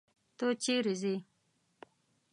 ته چيري ځې.